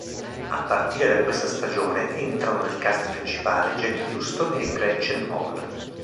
A partire da questa stagione entrano nel cast principale Jack Huston e Gretchen Mol.